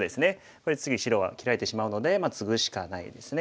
これ次白は切られてしまうのでツグしかないですね。